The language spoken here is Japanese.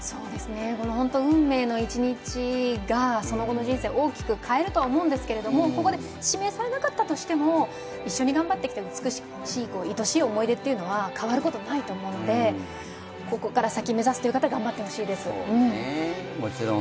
「運命の１日」がその後の人生を大きく変えると思うんですけど、ここで指名されなかったとしても、一緒に頑張ってきた美しい、いとしい思い出というのは変わることがないと思うのでここから先、目指すという方、頑張ってほしいです。